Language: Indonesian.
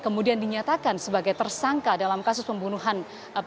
kemudian dinyatakan sebagai tersangka dalam kasus pembunuhan